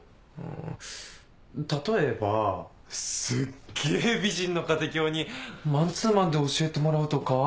ん例えばすっげぇ美人のカテキョにマンツーマンで教えてもらうとか。